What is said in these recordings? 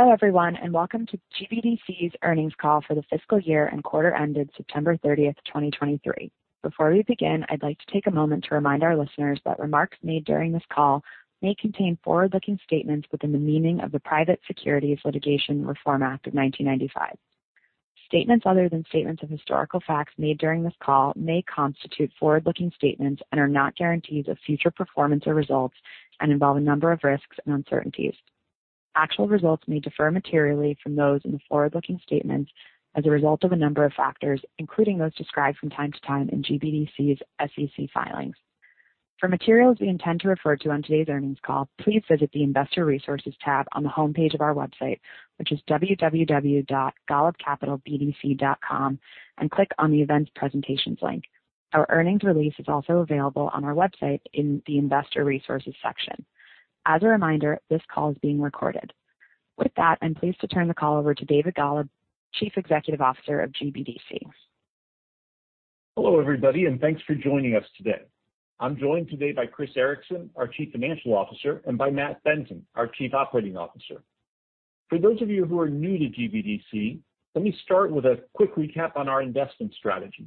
Hello everyone, and welcome to GBDC's earnings call for the fiscal year and quarter ended September 30, 2023. Before we begin, I'd like to take a moment to remind our listeners that remarks made during this call may contain forward-looking statements within the meaning of the Private Securities Litigation Reform Act of 1995. Statements other than statements of historical facts made during this call may constitute forward-looking statements and are not guarantees of future performance or results and involve a number of risks and uncertainties. Actual results may differ materially from those in the forward-looking statements as a result of a number of factors, including those described from time to time in GBDC's SEC filings. For materials we intend to refer to on today's earnings call, please visit the Investor Resources tab on the homepage of our website, which is www.golubcapitalbdc.com, and click on the Events Presentations link. Our earnings release is also available on our website in the Investor Resources section. As a reminder, this call is being recorded. With that, I'm pleased to turn the call over to David Golub, Chief Executive Officer of GBDC. Hello, everybody, and thanks for joining us today. I'm joined today by Chris Ericson, our Chief Financial Officer, and by Matt Benton, our Chief Operating Officer. For those of you who are new to GBDC, let me start with a quick recap on our investment strategy.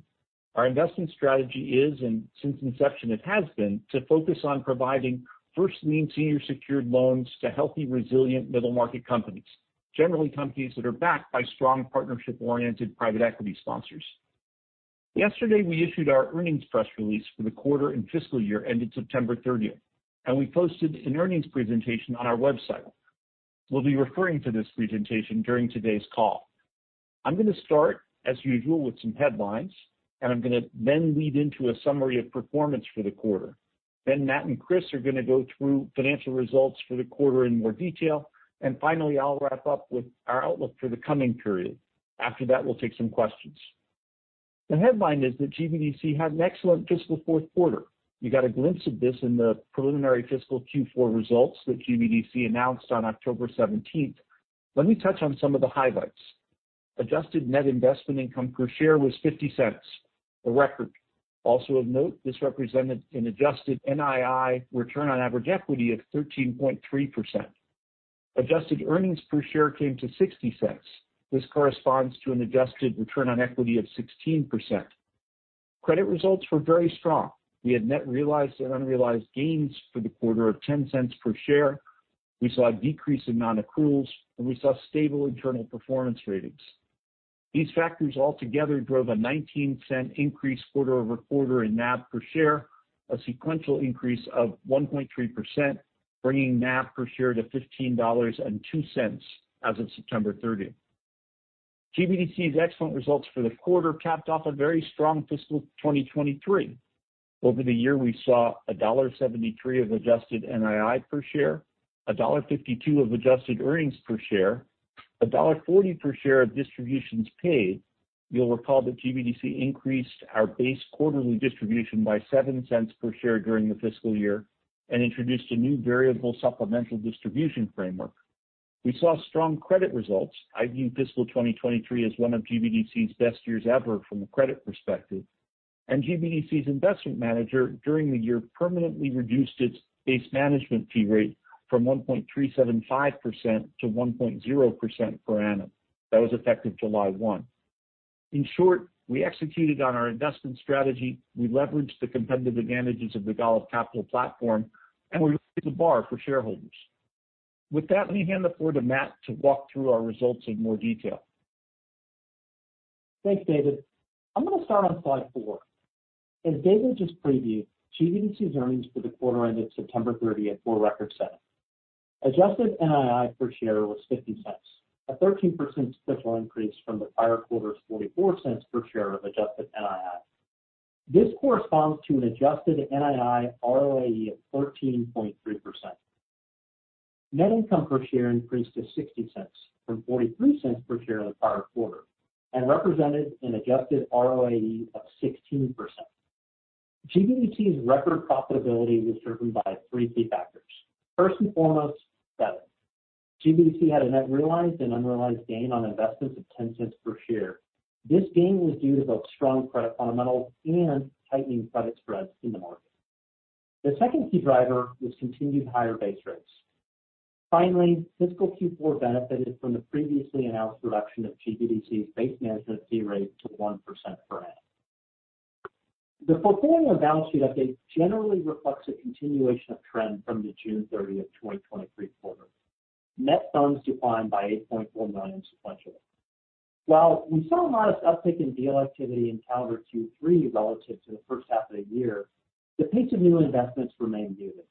Our investment strategy is, and since inception it has been, to focus on providing first lien senior secured loans to healthy, resilient middle-market companies, generally companies that are backed by strong partnership-oriented private equity sponsors. Yesterday, we issued our earnings press release for the quarter and fiscal year ended September 30, and we posted an earnings presentation on our website. We'll be referring to this presentation during today's call. I'm going to start, as usual, with some headlines, and I'm going to then lead into a summary of performance for the quarter. Matt and Chris are going to go through financial results for the quarter in more detail, and finally, I'll wrap up with our outlook for the coming period. After that, we'll take some questions. The headline is that GBDC had an excellent fiscal fourth quarter. You got a glimpse of this in the preliminary fiscal Q4 results that GBDC announced on October seventeenth. Let me touch on some of the highlights. Adjusted net investment income per share was $0.50, a record. Also of note, this represented an adjusted NII return on average equity of 13.3%. Adjusted earnings per share came to $0.60. This corresponds to an adjusted return on equity of 16%. Credit results were very strong. We had net realized and unrealized gains for the quarter of $0.10 per share. We saw a decrease in non-accruals, and we saw stable internal performance ratings. These factors altogether drove a $0.19 increase quarter over quarter in NAV per share, a sequential increase of 1.3%, bringing NAV per share to $15.02 as of September 30. GBDC's excellent results for the quarter capped off a very strong fiscal 2023. Over the year, we saw $1.73 of adjusted NII per share, $1.52 of adjusted earnings per share, $1.40 per share of distributions paid. You'll recall that GBDC increased our base quarterly distribution by $0.07 per share during the fiscal year and introduced a new variable supplemental distribution framework. We saw strong credit results. I view fiscal 2023 as one of GBDC's best years ever from a credit perspective, and GBDC's investment manager during the year permanently reduced its base management fee rate from 1.375%-1.0% per annum. That was effective July 1. In short, we executed on our investment strategy, we leveraged the competitive advantages of the Golub Capital platform, and we raised the bar for shareholders. With that, let me hand it forward to Matt to walk through our results in more detail. Thanks, David. I'm going to start on slide 4. As David just previewed, GBDC's earnings for the quarter ended September 30 were a record setting. Adjusted NII per share was $0.50, a 13% sequential increase from the prior quarter's $0.44 per share of adjusted NII. This corresponds to an adjusted NII ROAE of 13.3%. Net income per share increased to $0.60 from $0.43 per share in the prior quarter and represented an adjusted ROAE of 16%. GBDC's record profitability was driven by three key factors. First and foremost, debt. GBDC had a net realized and unrealized gain on investments of $0.10 per share. This gain was due to both strong credit fundamentals and tightening credit spreads in the market. The second key driver was continued higher base rates. Finally, fiscal Q4 benefited from the previously announced reduction of GBDC's base management fee rate to 1% per annum. The portfolio and balance sheet update generally reflects a continuation of trend from the June 30, 2023 quarter. Net funds declined by $8.4 million sequentially. While we saw a modest uptick in deal activity in calendar Q3 relative to the first half of the year, the pace of new investments remained muted.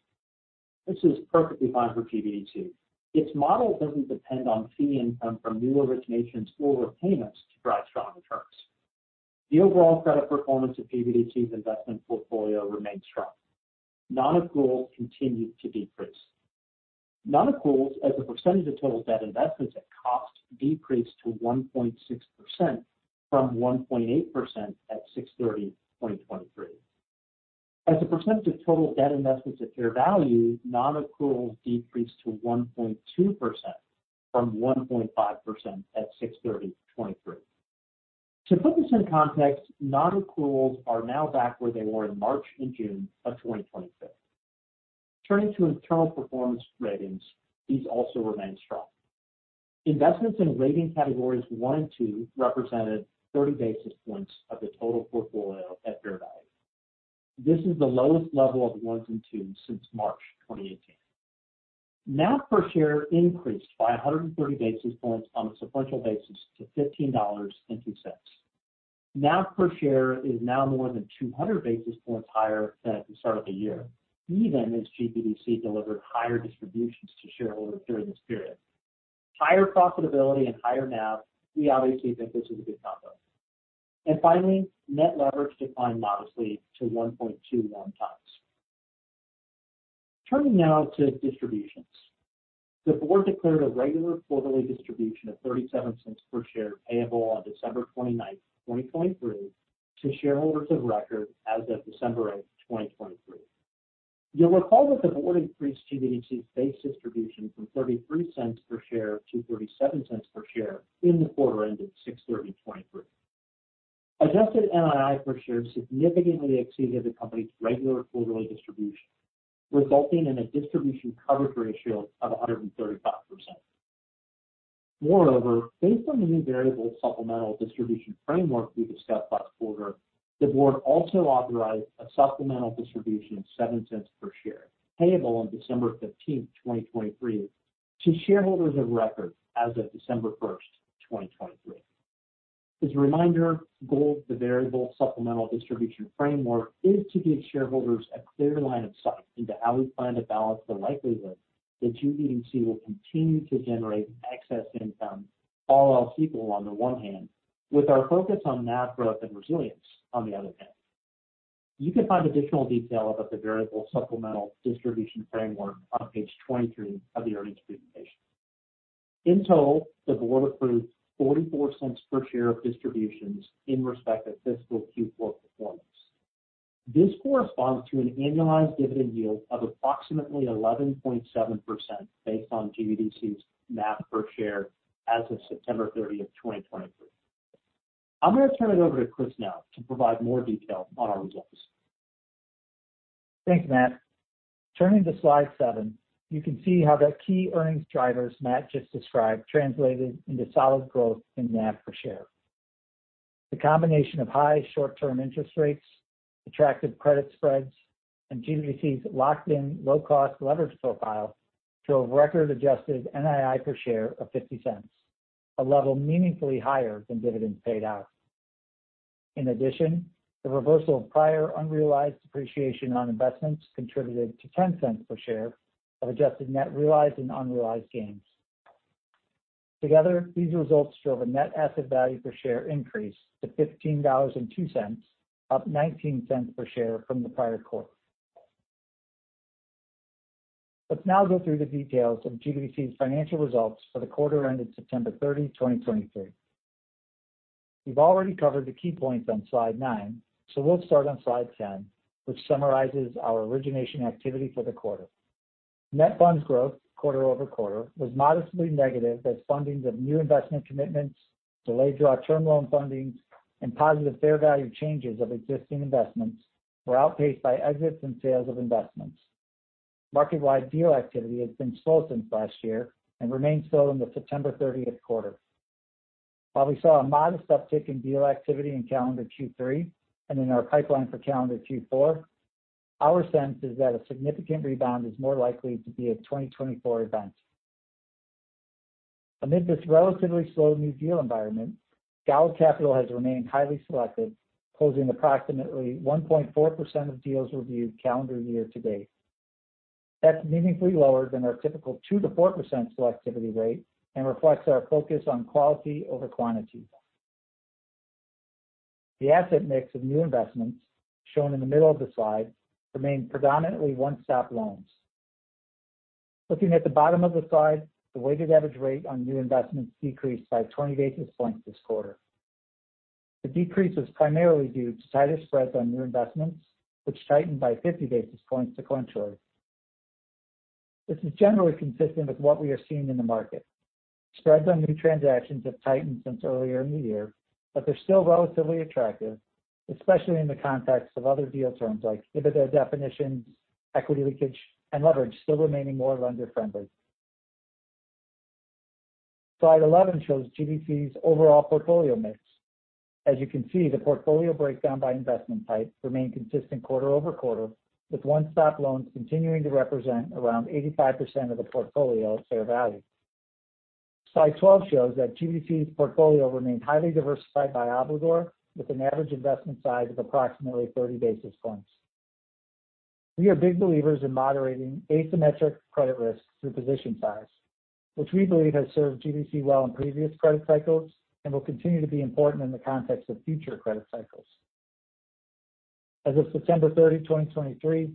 This is perfectly fine for GBDC. Its model doesn't depend on fee income from new originations or repayments to drive strong returns. The overall credit performance of GBDC's investment portfolio remains strong. Non-accruals continued to decrease. Non-accruals as a percentage of total debt investments at cost decreased to 1.6% from 1.8% at June 30, 2023. As a percentage of total debt investments at fair value, non-accruals decreased to 1.2% from 1.5% at 6/30/2023. To put this in context, non-accruals are now back where they were in March and June of 2023. Turning to internal performance ratings, these also remain strong. Investments in rating categories one and two represented 30 basis points of the total portfolio at fair value. This is the lowest level of ones and twos since March 2018. NAV per share increased by 130 basis points on a sequential basis to $15.02. NAV per share is now more than 200 basis points higher than at the start of the year, even as GBDC delivered higher distributions to shareholders during this period. Higher profitability and higher NAV, we obviously think this is a good combo. Finally, net leverage declined modestly to 1.21 times. Turning now to distributions. The board declared a regular quarterly distribution of $0.37 per share, payable on December 29, 2023, to shareholders of record as of December 8, 2023. You'll recall that the board increased GBDC's base distribution from $0.33 per share to $0.37 per share in the quarter ended June 30, 2023. Adjusted NII per share significantly exceeded the company's regular quarterly distribution, resulting in a distribution coverage ratio of 135%. Moreover, based on the new variable supplemental distribution framework we discussed last quarter, the board also authorized a supplemental distribution of $0.07 per share, payable on December 15, 2023, to shareholders of record as of December 1, 2023. As a reminder, goal of the variable supplemental distribution framework is to give shareholders a clear line of sight into how we plan to balance the likelihood that GBDC will continue to generate excess income, all else equal on the one hand, with our focus on NAV growth and resilience on the other hand. You can find additional detail about the variable supplemental distribution framework on page 23 of the earnings presentation. In total, the board approved $0.44 per share of distributions in respect of fiscal Q4 performance. This corresponds to an annualized dividend yield of approximately 11.7%, based on GBDC's NAV per share as of September 30, 2023. I'm going to turn it over to Chris now to provide more detail on our results. Thanks, Matt. Turning to slide 7, you can see how the key earnings drivers Matt just described translated into solid growth in NAV per share. The combination of high short-term interest rates, attractive credit spreads, and GBDC's locked-in low-cost leverage profile drove record-adjusted NII per share of $0.50, a level meaningfully higher than dividends paid out. In addition, the reversal of prior unrealized appreciation on investments contributed to $0.10 per share of adjusted net realized and unrealized gains. Together, these results drove a net asset value per share increase to $15.02, up $0.19 per share from the prior quarter. Let's now go through the details of GBDC's financial results for the quarter ended September 30, 2023. We've already covered the key points on slide 9, so we'll start on slide 10, which summarizes our origination activity for the quarter. Net funds growth, quarter over quarter, was modestly negative as fundings of new investment commitments, delayed draw term loan fundings, and positive fair value changes of existing investments were outpaced by exits and sales of investments. Market-wide deal activity has been slow since last year and remains so in the September 30th quarter. While we saw a modest uptick in deal activity in calendar Q3 and in our pipeline for calendar Q4, our sense is that a significant rebound is more likely to be a 2024 event. Amidst this relatively slow new deal environment, Golub Capital has remained highly selective, closing approximately 1.4% of deals reviewed calendar year to date. That's meaningfully lower than our typical 2%-4% selectivity rate and reflects our focus on quality over quantity. The asset mix of new investments, shown in the middle of the slide, remained predominantly one-stop loans. Looking at the bottom of the slide, the weighted average rate on new investments decreased by 20 basis points this quarter. The decrease was primarily due to tighter spreads on new investments, which tightened by 50 basis points sequentially. This is generally consistent with what we are seeing in the market. Spreads on new transactions have tightened since earlier in the year, but they're still relatively attractive, especially in the context of other deal terms like protective definitions, equity leakage, and leverage still remaining more lender-friendly. Slide 11 shows GBDC's overall portfolio mix. As you can see, the portfolio breakdown by investment type remained consistent quarter-over-quarter, with one-stop loans continuing to represent around 85% of the portfolio at fair value. Slide 12 shows that GBDC's portfolio remained highly diversified by obligor, with an average investment size of approximately 30 basis points. We are big believers in moderating asymmetric credit risk through position size, which we believe has served GBDC well in previous credit cycles and will continue to be important in the context of future credit cycles. As of September 30, 2023,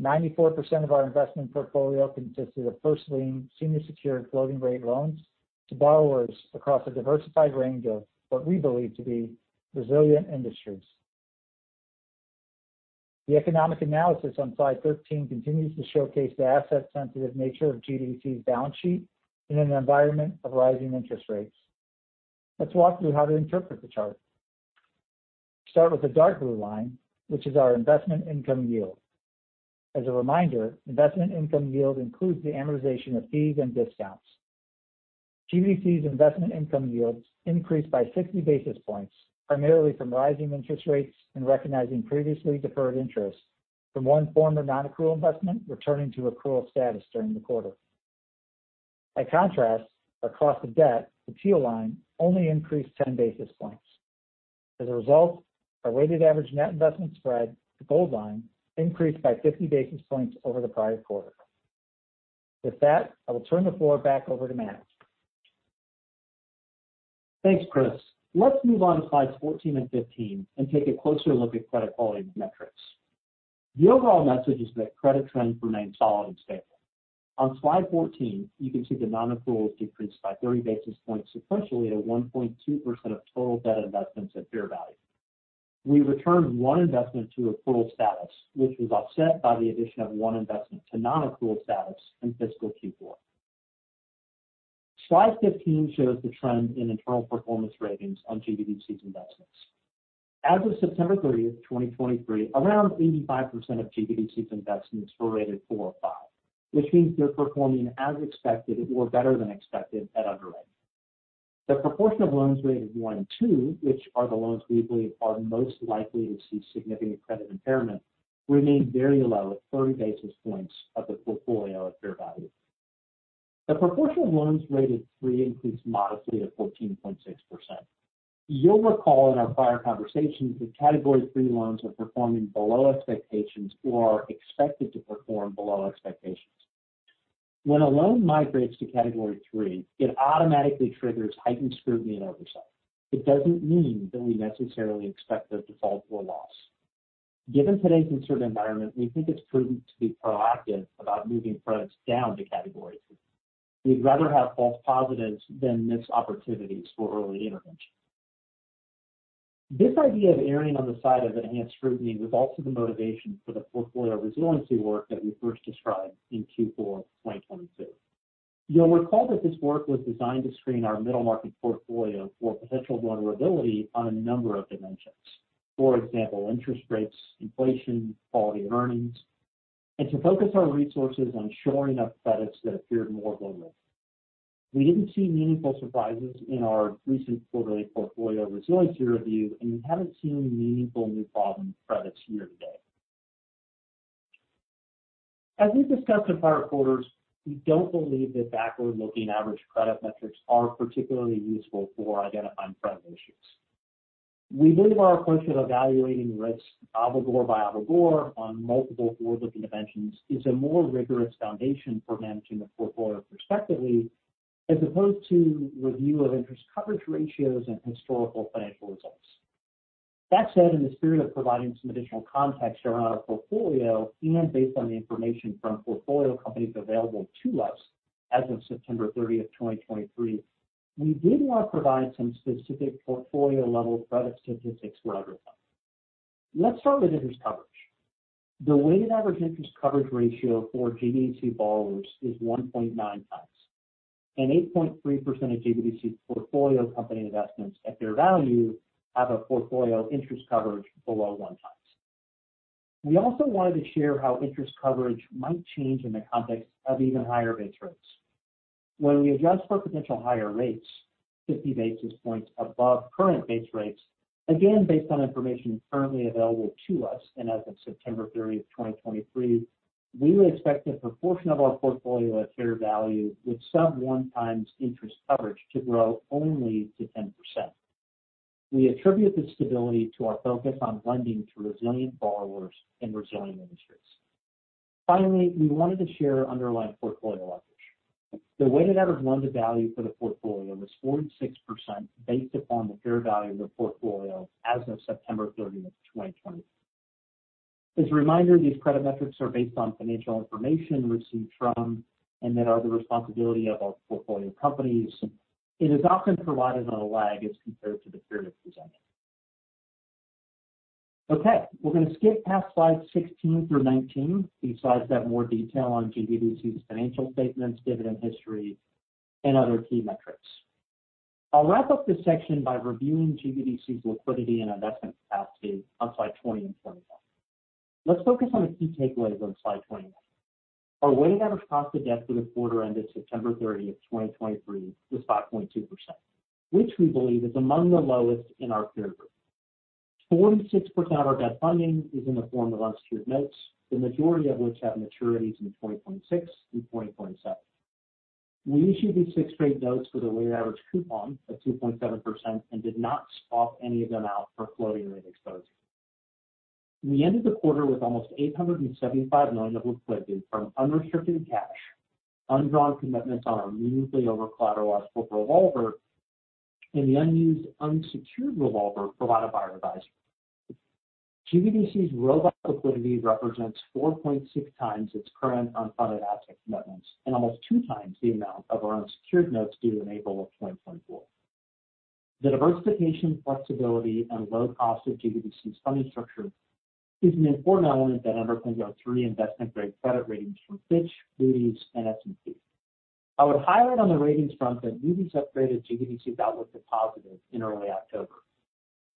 94% of our investment portfolio consisted of first lien, senior secured floating rate loans to borrowers across a diversified range of what we believe to be resilient industries.... The economic analysis on slide 13 continues to showcase the asset-sensitive nature of GBDC's balance sheet in an environment of rising interest rates. Let's walk through how to interpret the chart. Start with the dark blue line, which is our investment income yield. As a reminder, investment income yield includes the amortization of fees and discounts. GBDC's investment income yields increased by 60 basis points, primarily from rising interest rates and recognizing previously deferred interest from one former non-accrual investment returning to accrual status during the quarter. By contrast, our cost of debt, the teal line, only increased 10 basis points. As a result, our weighted average net investment spread, the gold line, increased by 50 basis points over the prior quarter. With that, I will turn the floor back over to Matt. Thanks, Chris. Let's move on to slides 14 and 15 and take a closer look at credit quality metrics. The overall message is that credit trends remain solid and stable. On slide 14, you can see that non-accruals decreased by 30 basis points sequentially to 1.2% of total debt investments at fair value. We returned 1 investment to accrual status, which was offset by the addition of 1 investment to non-accrual status in fiscal Q4. Slide 15 shows the trend in internal performance ratings on GBDC's investments. As of September 30, 2023, around 85% of GBDC's investments were rated 4 or 5, which means they're performing as expected or better than expected at underwriting. The proportion of loans rated one and two, which are the loans we believe are most likely to see significant credit impairment, remained very low at 30 basis points of the portfolio at fair value. The proportion of loans rated three increased modestly to 14.6%. You'll recall in our prior conversations that category three loans are performing below expectations or are expected to perform below expectations. When a loan migrates to category three, it automatically triggers heightened scrutiny and oversight. It doesn't mean that we necessarily expect a default or loss. Given today's concerned environment, we think it's prudent to be proactive about moving credits down to category three. We'd rather have false positives than miss opportunities for early intervention. This idea of erring on the side of enhanced scrutiny was also the motivation for the portfolio resiliency work that we first described in Q4 2022. You'll recall that this work was designed to screen our middle market portfolio for potential vulnerability on a number of dimensions. For example, interest rates, inflation, quality of earnings, and to focus our resources on shoring up credits that appeared more vulnerable. We didn't see meaningful surprises in our recent quarterly portfolio resiliency review, and we haven't seen meaningful new problem credits year to date. As we've discussed in prior quarters, we don't believe that backward-looking average credit metrics are particularly useful for identifying credit issues. We believe our approach of evaluating risks obligor by obligor on multiple forward-looking dimensions is a more rigorous foundation for managing the portfolio prospectively, as opposed to review of interest coverage ratios and historical financial results. That said, in the spirit of providing some additional context around our portfolio and based on the information from portfolio companies available to us as of September 30, 2023, we did want to provide some specific portfolio-level credit statistics for everyone. Let's start with interest coverage. The weighted average interest coverage ratio for GBDC borrowers is 1.9 times, and 8.3% of GBDC's portfolio company investments at fair value have a portfolio interest coverage below 1 times. We also wanted to share how interest coverage might change in the context of even higher base rates. When we adjust for potential higher rates, 50 basis points above current base rates, again, based on information currently available to us and as of September 30, 2023, we would expect a proportion of our portfolio at fair value with sub-1x interest coverage to grow only to 10%. We attribute this stability to our focus on lending to resilient borrowers and resilient industries. Finally, we wanted to share underlying portfolio leverage. The weighted average loan-to-value for the portfolio was 46% based upon the fair value of the portfolio as of September 30, 2023. As a reminder, these credit metrics are based on financial information received from, and that are the responsibility of, our portfolio companies. It is often provided on a lag as compared to the period presented. Okay, we're going to skip past slides 16 through 19. These slides have more detail on GBDC's financial statements, dividend history, and other key metrics. I'll wrap up this section by reviewing GBDC's liquidity and investment capacity on slide 20 and 21. Let's focus on the key takeaways on slide 20. Our weighted average cost of debt for the quarter ended September 30, 2023, was 5.2%, which we believe is among the lowest in our peer group. 46% of our debt funding is in the form of unsecured notes, the majority of which have maturities in 2026 and 2027. We issued these fixed-rate notes with a weighted average coupon of 2.7% and did not swap any of them out for floating-rate exposure. We ended the quarter with almost $875 million of liquidity from unrestricted cash, undrawn commitments on our mutually over-collateralized revolver, and the unused unsecured revolver provided by our advisor. GBDC's robust liquidity represents 4.6 times its current unfunded asset commitments, and almost 2 times the amount of our unsecured notes due in April 2024. The diversification, flexibility, and low cost of GBDC's funding structure is an important element that underpins our three investment-grade credit ratings from Fitch, Moody's, and S&P. I would highlight on the ratings front that Moody's upgraded GBDC's outlook to positive in early October.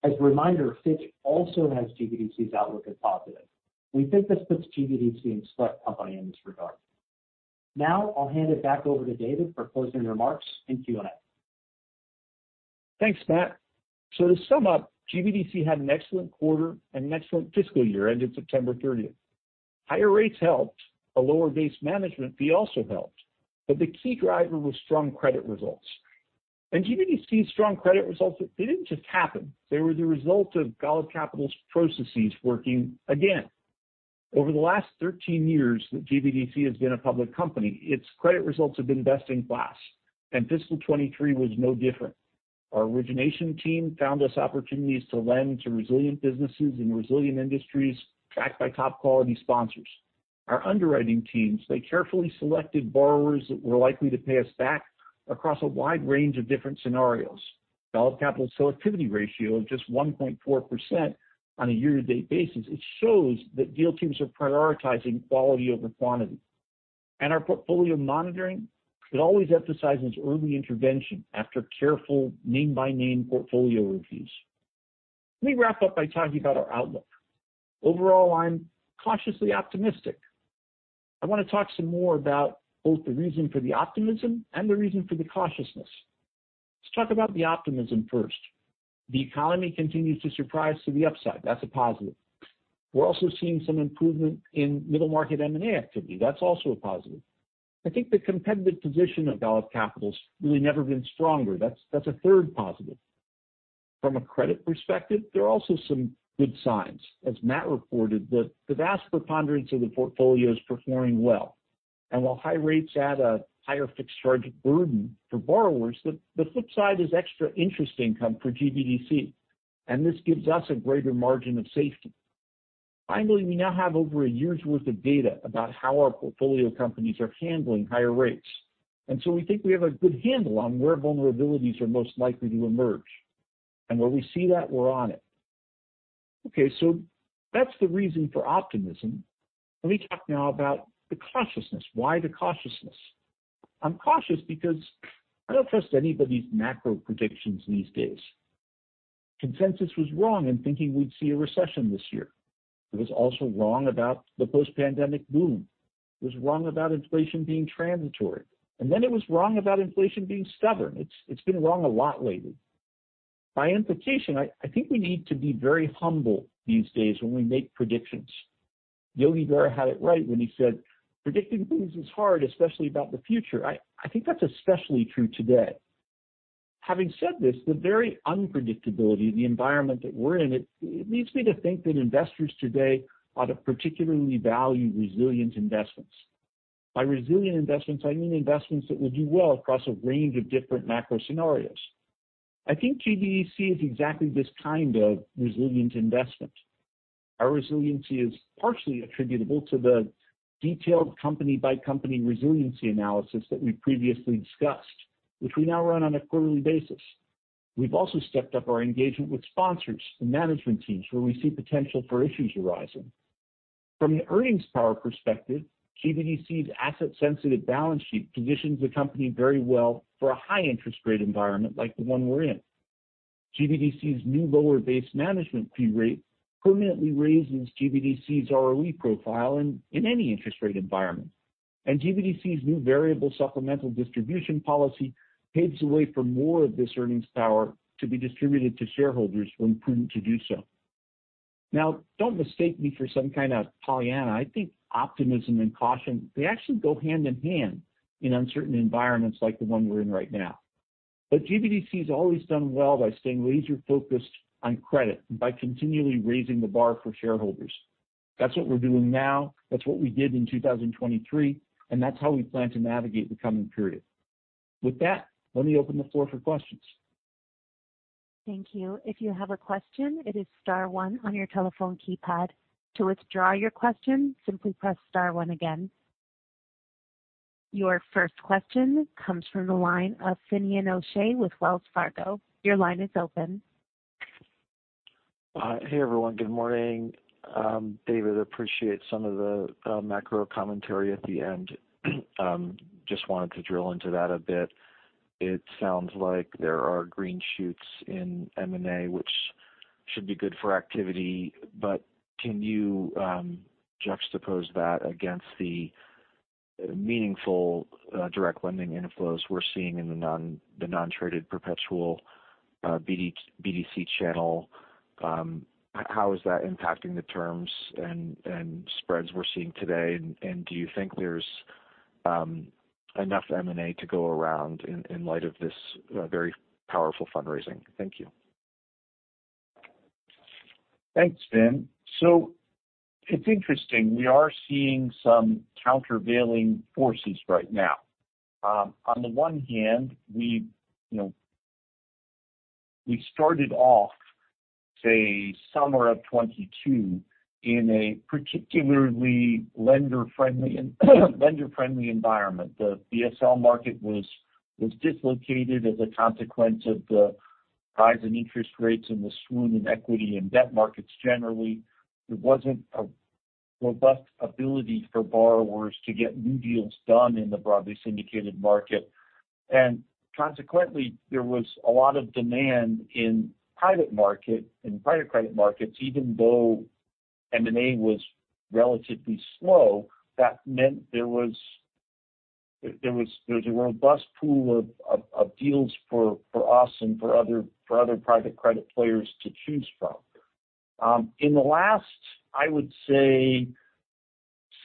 As a reminder, Fitch also has GBDC's outlook as positive. We think this puts GBDC in select company in this regard. Now I'll hand it back over to David for closing remarks and Q&A. Thanks, Matt. So to sum up, GBDC had an excellent quarter and an excellent fiscal year, ended September 30. Higher rates helped. A lower base management fee also helped, but the key driver was strong credit results. And GBDC's strong credit results, they didn't just happen. They were the result of Golub Capital's processes working again. Over the last 13 years that GBDC has been a public company, its credit results have been best-in-class, and fiscal 2023 was no different. Our origination team found us opportunities to lend to resilient businesses and resilient industries backed by top-quality sponsors. Our underwriting teams, they carefully selected borrowers that were likely to pay us back across a wide range of different scenarios. Golub Capital's selectivity ratio of just 1.4% on a year-to-date basis, it shows that deal teams are prioritizing quality over quantity. Our portfolio monitoring, it always emphasizes early intervention after careful name-by-name portfolio reviews. Let me wrap up by talking about our outlook. Overall, I'm cautiously optimistic. I want to talk some more about both the reason for the optimism and the reason for the cautiousness. Let's talk about the optimism first. The economy continues to surprise to the upside. That's a positive. We're also seeing some improvement in middle-market M&A activity. That's also a positive. I think the competitive position of Golub Capital's really never been stronger. That's, that's a third positive. From a credit perspective, there are also some good signs, as Matt reported, that the vast preponderance of the portfolio is performing well. And while high rates add a higher fixed charge burden for borrowers, the flip side is extra interest income for GBDC, and this gives us a greater margin of safety. Finally, we now have over a year's worth of data about how our portfolio companies are handling higher rates, and so we think we have a good handle on where vulnerabilities are most likely to emerge. And where we see that, we're on it. Okay, so that's the reason for optimism. Let me talk now about the cautiousness. Why the cautiousness? I'm cautious because I don't trust anybody's macro predictions these days. Consensus was wrong in thinking we'd see a recession this year. It was also wrong about the post-pandemic boom. It was wrong about inflation being transitory, and then it was wrong about inflation being stubborn. It's been wrong a lot lately. By implication, I think we need to be very humble these days when we make predictions. Yogi Berra had it right when he said, "Predicting things is hard, especially about the future." I think that's especially true today. Having said this, the very unpredictability of the environment that we're in, it leads me to think that investors today ought to particularly value resilient investments. By resilient investments, I mean investments that will do well across a range of different macro scenarios. I think GBDC is exactly this kind of resilient investment. Our resiliency is partially attributable to the detailed company-by-company resiliency analysis that we previously discussed, which we now run on a quarterly basis. We've also stepped up our engagement with sponsors and management teams where we see potential for issues arising. From an earnings power perspective, GBDC's asset-sensitive balance sheet positions the company very well for a high interest rate environment like the one we're in. GBDC's new lower base management fee rate permanently raises GBDC's ROE profile in any interest rate environment, and GBDC's new variable supplemental distribution policy paves the way for more of this earnings power to be distributed to shareholders when prudent to do so. Now, don't mistake me for some kind of Pollyanna. I think optimism and caution, they actually go hand-in-hand in uncertain environments like the one we're in right now. But GBDC has always done well by staying laser-focused on credit and by continually raising the bar for shareholders. That's what we're doing now, that's what we did in 2023, and that's how we plan to navigate the coming period. With that, let me open the floor for questions. Thank you. If you have a question, it is star one on your telephone keypad. To withdraw your question, simply press star one again. Your first question comes from the line of Finian O'Shea with Wells Fargo. Your line is open. Hey, everyone. Good morning. David, appreciate some of the, macro commentary at the end. Just wanted to drill into that a bit. It sounds like there are green shoots in M&A, which should be good for activity, but can you, juxtapose that against the meaningful, direct lending inflows we're seeing in the non-traded perpetual BDC channel? How is that impacting the terms and, and spreads we're seeing today? And, and do you think there's, enough M&A to go around in, in light of this, very powerful fundraising? Thank you. Thanks, Finn. So it's interesting, we are seeing some countervailing forces right now. On the one hand, we've, you know, we started off say, summer of 2022, in a particularly lender-friendly, lender-friendly environment. The BSL market was dislocated as a consequence of the rise in interest rates and the swoon in equity and debt markets. Generally, there wasn't a robust ability for borrowers to get new deals done in the broadly syndicated market. And consequently, there was a lot of demand in private market, in private credit markets. Even though M&A was relatively slow, that meant there was a robust pool of deals for us and for other private credit players to choose from. In the last, I would say,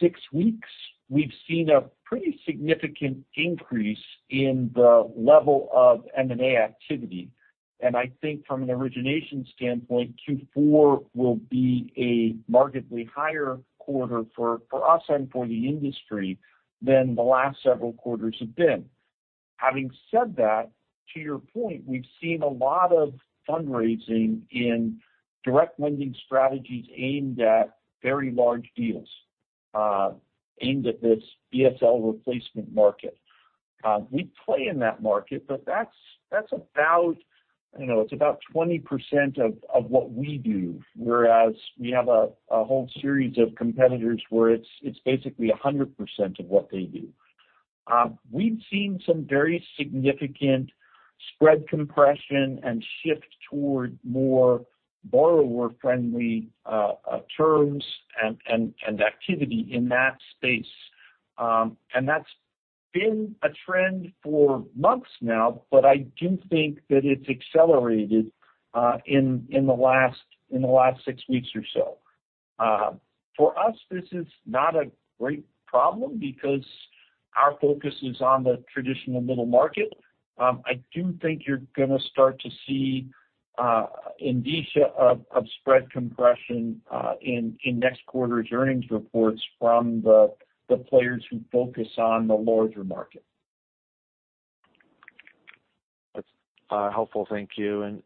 six weeks, we've seen a pretty significant increase in the level of M&A activity. I think from an origination standpoint, Q4 will be a markedly higher quarter for us and for the industry than the last several quarters have been. Having said that, to your point, we've seen a lot of fundraising in direct lending strategies aimed at very large deals aimed at this BSL replacement market. We play in that market, but that's about, you know, it's about 20% of what we do. Whereas we have a whole series of competitors where it's basically 100% of what they do. We've seen some very significant spread compression and shift toward more borrower-friendly terms and activity in that space. And that's been a trend for months now, but I do think that it's accelerated in the last six weeks or so. For us, this is not a great problem because our focus is on the traditional middle market. I do think you're gonna start to see indicia of spread compression in next quarter's earnings reports from the players who focus on the larger market. That's helpful. Thank you. And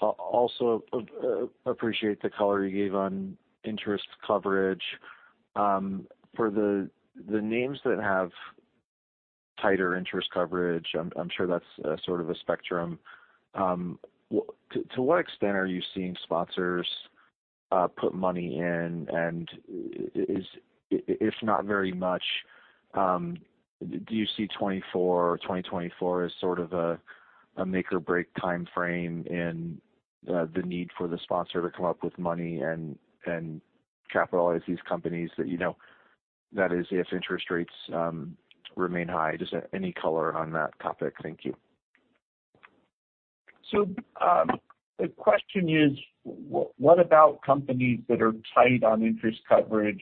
also appreciate the color you gave on interest coverage. For the names that have tighter interest coverage, I'm sure that's sort of a spectrum. To what extent are you seeing sponsors put money in? And if not very much, do you see 2024 or 2024 as sort of a make or break timeframe in the need for the sponsor to come up with money and capitalize these companies that you know? That is, if interest rates remain high. Just any color on that topic. Thank you. So, the question is, what about companies that are tight on interest coverage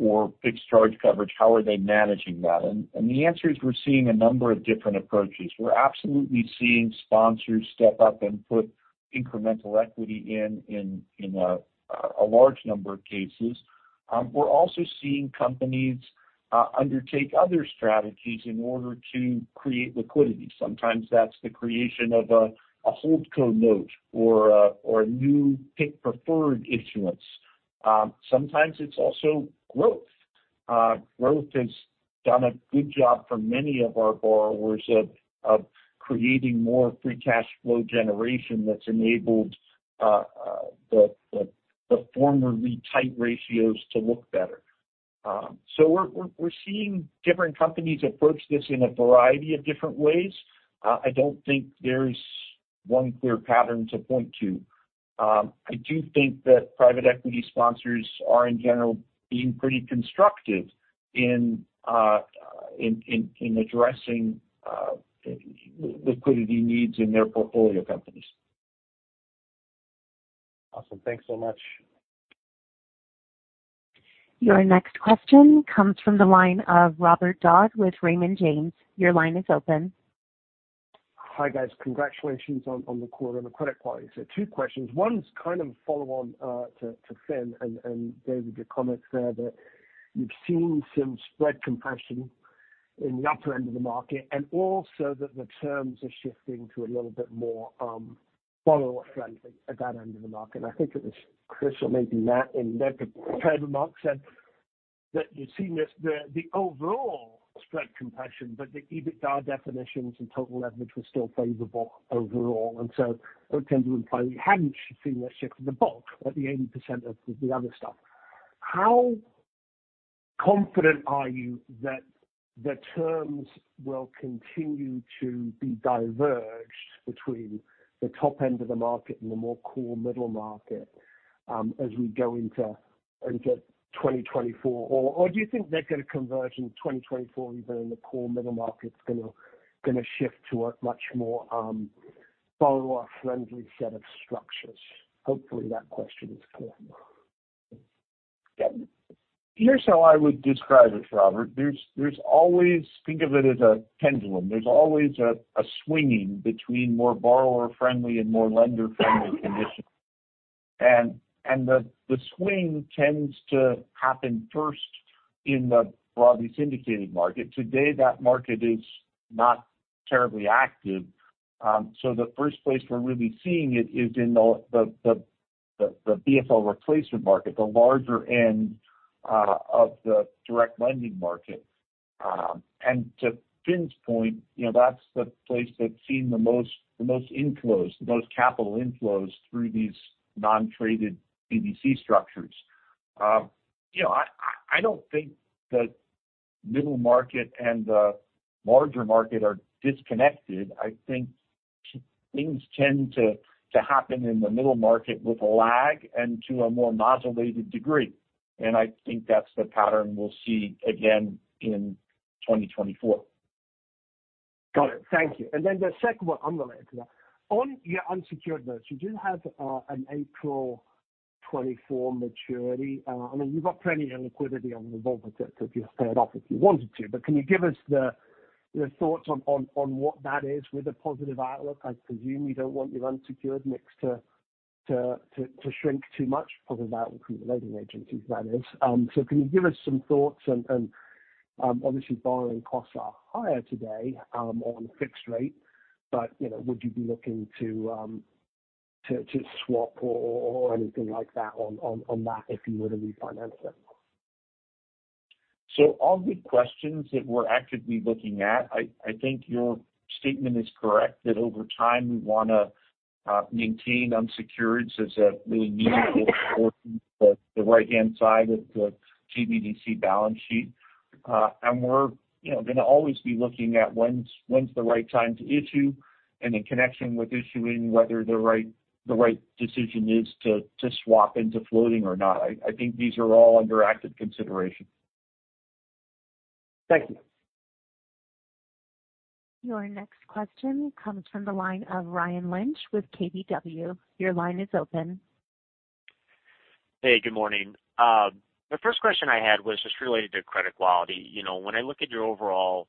or fixed charge coverage? How are they managing that? And the answer is, we're seeing a number of different approaches. We're absolutely seeing sponsors step up and put incremental equity in a large number of cases. We're also seeing companies undertake other strategies in order to create liquidity. Sometimes that's the creation of a holdco note or a new PIK preferred issuance. Sometimes it's also growth. Growth has done a good job for many of our borrowers of creating more free cash flow generation that's enabled the formerly tight ratios to look better. So we're seeing different companies approach this in a variety of different ways. I don't think there's one clear pattern to point to. I do think that private equity sponsors are, in general, being pretty constructive in addressing liquidity needs in their portfolio companies. Awesome. Thanks so much. Your next question comes from the line of Robert Dodd with Raymond James. Your line is open. Hi, guys. Congratulations on the quarter and the credit quality. So two questions. One's kind of a follow-on to Finian and David, your comments there, that you've seen some spread compression in the upper end of the market, and also that the terms are shifting to a little bit more borrower-friendly at that end of the market. I think it was Chris or maybe Matt in their prepared remarks, said that you've seen this, the overall spread compression, but the EBITDA definitions and total leverage were still favorable overall. And so it tends to imply we hadn't seen that shift in the bulk at the eighty percent of the other stuff. How confident are you that the terms will continue to be diverged between the top end of the market and the more core middle market, as we go into 2024? Or do you think they're gonna converge in 2024, even in the core middle market, it's gonna shift to a much more borrower-friendly set of structures? Hopefully, that question is clear. Yeah. Here's how I would describe it, Robert. There's always... Think of it as a pendulum. There's always a swinging between more borrower-friendly and more lender-friendly conditions. And the swing tends to happen first in the broadly syndicated market. Today, that market is not terribly active. So the first place we're really seeing it is in the BSL replacement market, the larger end of the direct lending market. And to Finn's point, you know, that's the place that's seen the most inflows, the most capital inflows through these non-traded BDC structures. You know, I don't think the middle market and the larger market are disconnected. I think things tend to happen in the middle market with a lag and to a more modulated degree, and I think that's the pattern we'll see again in 2024. Got it. Thank you. And then the second one, unrelated to that. On your unsecured notes, you do have an April 2024 maturity. I mean, you've got plenty of liquidity on the book to pay it off if you wanted to, but can you give us your thoughts on what that is with a positive outlook? I presume you don't want your unsecured mix to shrink too much, other than that from the rating agencies, that is. So can you give us some thoughts? And obviously, borrowing costs are higher today on fixed rate, but you know, would you be looking to swap or anything like that on that if you were to refinance it? So all good questions that we're actively looking at. I think your statement is correct, that over time, we want to maintain unsecureds as a really meaningful portion of the right-hand side of the GBDC balance sheet. And we're, you know, gonna always be looking at when's the right time to issue, and in connection with issuing, whether the right decision is to swap into floating or not. I think these are all under active consideration. Thank you. Your next question comes from the line of Ryan Lynch with KBW. Your line is open. Hey, good morning. The first question I had was just related to credit quality. You know, when I look at your overall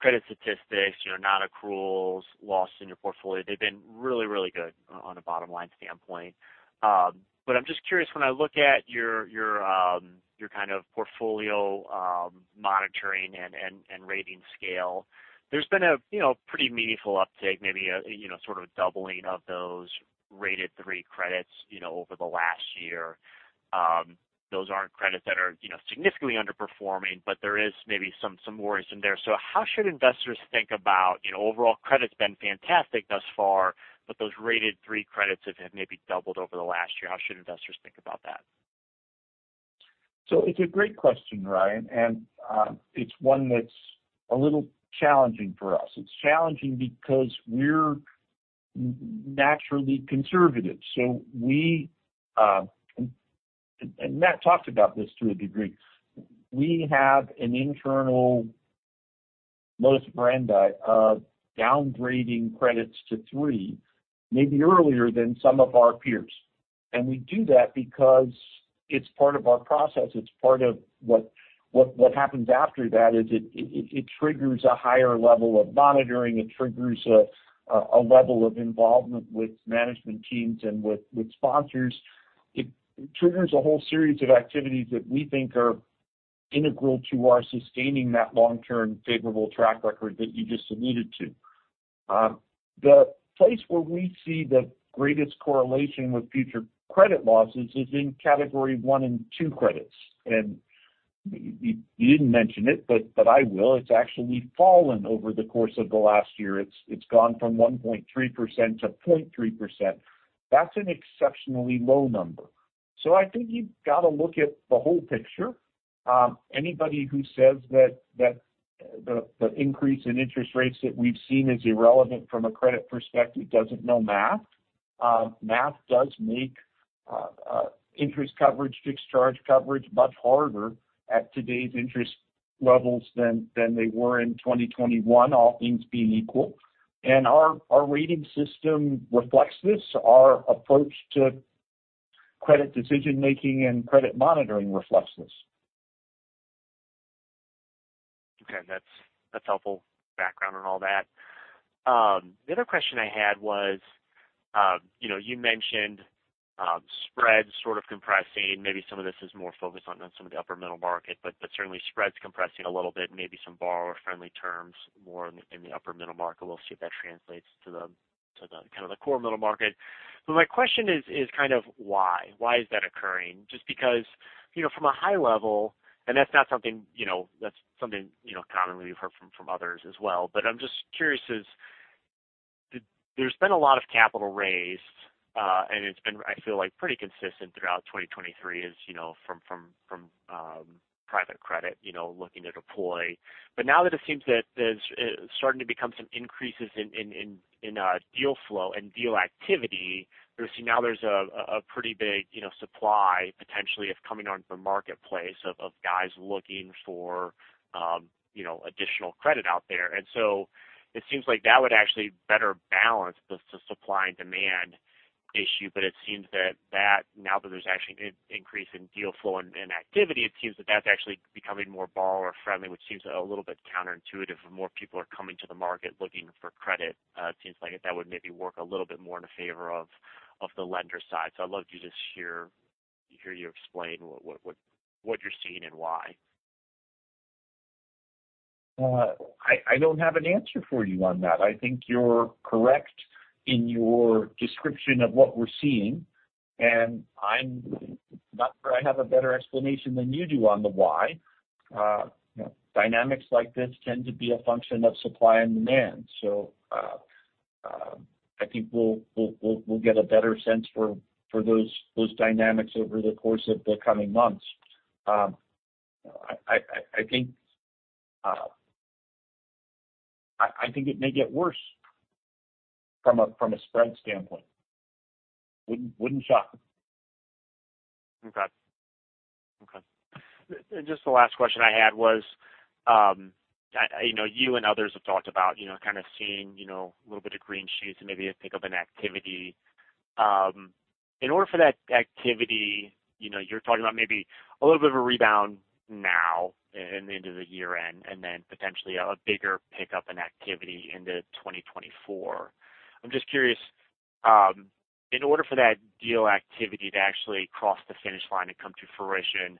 credit statistics, your non-accruals, loss in your portfolio, they've been really, really good on a bottom line standpoint. But I'm just curious, when I look at your kind of portfolio monitoring and rating scale, there's been a pretty meaningful uptick, maybe a sort of a doubling of those rated three credits over the last year. Those aren't credits that are significantly underperforming, but there is maybe some worries in there. So how should investors think about overall credit's been fantastic thus far, but those rated three credits have maybe doubled over the last year. How should investors think about that? So it's a great question, Ryan, and, it's one that's a little challenging for us. It's challenging because we're naturally conservative, so we, and, and Matt talked about this to a degree. We have an internal modus operandi of downgrading credits to three, maybe earlier than some of our peers. We do that because it's part of our process. It's part of what happens after that is it triggers a higher level of monitoring. It triggers a level of involvement with management teams and with sponsors. It triggers a whole series of activities that we think are integral to our sustaining that long-term favorable track record that you just alluded to. The place where we see the greatest correlation with future credit losses is in category one and two credits. You didn't mention it, but I will. It's actually fallen over the course of the last year. It's gone from 1.3%-0.3%. That's an exceptionally low number. So I think you've got to look at the whole picture. Anybody who says that the increase in interest rates that we've seen is irrelevant from a credit perspective doesn't know math. Math does make interest coverage, fixed charge coverage, much harder at today's interest levels than they were in 2021, all things being equal. And our rating system reflects this. Our approach to credit decision-making and credit monitoring reflects this. Okay. That's, that's helpful background on all that. The other question I had was, you know, you mentioned, spreads sort of compressing. Maybe some of this is more focused on, on some of the upper middle market, but, but certainly spreads compressing a little bit, maybe some borrower-friendly terms, more in the, in the upper middle market. We'll see if that translates to the, to the kind of the core middle market. So my question is, is kind of why? Why is that occurring? Just because, you know, from a high level, and that's not something, you know, that's something, you know, commonly we've heard from, from others as well. But I'm just curious as to—there's been a lot of capital raised, and it's been, I feel like, pretty consistent throughout 2023, as you know, from private credit, you know, looking to deploy. But now that it seems that there's starting to become some increases in deal flow and deal activity, there's now a pretty big, you know, supply potentially of coming onto the marketplace of guys looking for, you know, additional credit out there. And so it seems like that would actually better balance the supply and demand issue, but it seems that now that there's actually increase in deal flow and in activity, it seems that that's actually becoming more borrower friendly, which seems a little bit counterintuitive. More people are coming to the market looking for credit. It seems like that would maybe work a little bit more in the favor of the lender side. So I'd love to just hear you explain what you're seeing and why. I don't have an answer for you on that. I think you're correct in your description of what we're seeing, and I'm not sure I have a better explanation than you do on the why. You know, dynamics like this tend to be a function of supply and demand. So, I think we'll get a better sense for those dynamics over the course of the coming months. I think it may get worse from a spread standpoint. Wouldn't shock me. Okay. Okay. Just the last question I had was, I know you and others have talked about, you know, kind of seeing, you know, a little bit of green shoots and maybe a pick-up in activity. In order for that activity, you know, you're talking about maybe a little bit of a rebound now into the year-end, and then potentially a bigger pickup in activity into 2024. I'm just curious, in order for that deal activity to actually cross the finish line and come to fruition,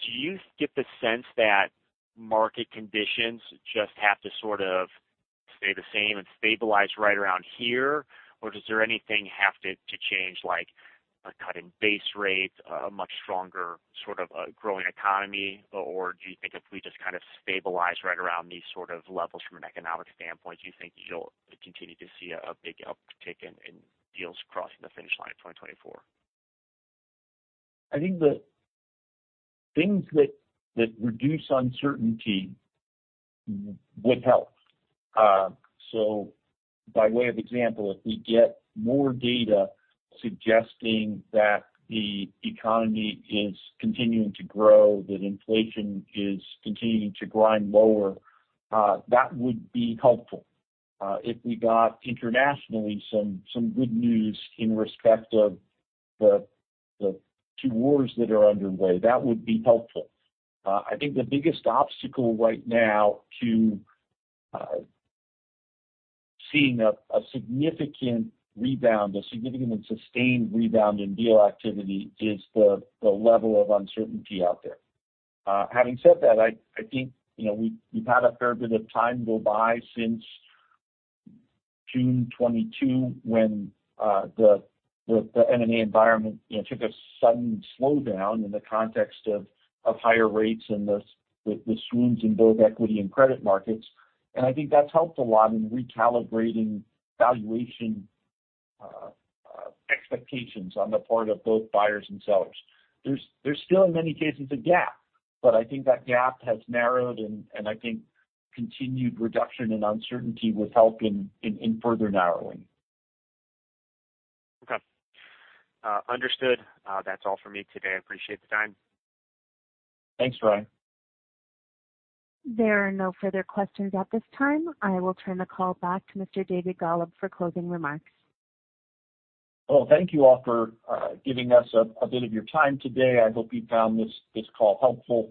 do you get the sense that market conditions just have to sort of stay the same and stabilize right around here? Or does there anything have to change, like a cut in base rates, a much stronger sort of growing economy? Or do you think if we just kind of stabilize right around these sort of levels from an economic standpoint, do you think you'll continue to see a, a big uptick in, in deals crossing the finish line in 2024? I think the things that reduce uncertainty would help. So by way of example, if we get more data suggesting that the economy is continuing to grow, that inflation is continuing to grind lower, that would be helpful. If we got internationally some good news in respect of the two wars that are underway, that would be helpful. I think the biggest obstacle right now to seeing a significant rebound, a significant and sustained rebound in deal activity, is the level of uncertainty out there. Having said that, I think, you know, we've had a fair bit of time go by since June 2022, when the M&A environment, you know, took a sudden slowdown in the context of higher rates and the swoons in both equity and credit markets. And I think that's helped a lot in recalibrating valuation expectations on the part of both buyers and sellers. There's still, in many cases, a gap, but I think that gap has narrowed and I think continued reduction in uncertainty would help in further narrowing. Okay. Understood. That's all for me today. I appreciate the time. Thanks, Ryan. There are no further questions at this time. I will turn the call back to Mr. David Golub for closing remarks. Well, thank you all for giving us a bit of your time today. I hope you found this call helpful.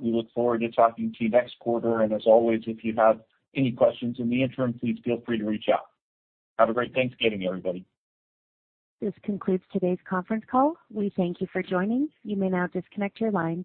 We look forward to talking to you next quarter, and as always, if you have any questions in the interim, please feel free to reach out. Have a great Thanksgiving, everybody. This concludes today's conference call. We thank you for joining. You may now disconnect your lines.